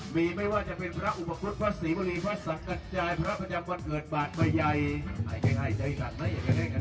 มีไม่ว่าจะเป็นพระอุปกรุษพระศรีบุรีพระสังกัจจายพระประจำบัติเกิดบาทบายัย